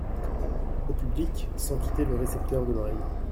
Au public, sans quitter le récepteur de l’oreille.